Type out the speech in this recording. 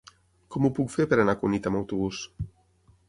Com ho puc fer per anar a Cunit amb autobús?